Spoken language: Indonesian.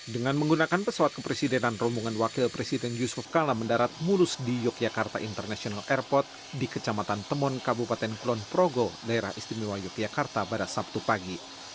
dengan menggunakan pesawat kepresidenan rombongan wakil presiden yusuf kala mendarat mulus di yogyakarta international airport di kecamatan temon kabupaten kulon progo daerah istimewa yogyakarta pada sabtu pagi